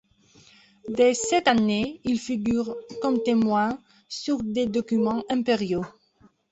Dès cette année, il figure, comme témoin, sur des documents impériaux.